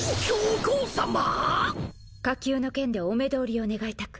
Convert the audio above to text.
火急の件でお目通りを願いたく